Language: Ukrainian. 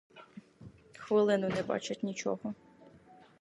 Хвилину не бачать нічого.